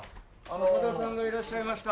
高田さんがいらっしゃいました。